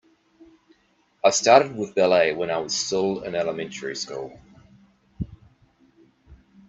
I started with ballet when I was still in elementary school.